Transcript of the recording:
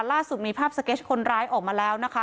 ล่าสุดมีภาพสเก็ตคนร้ายออกมาแล้วนะคะ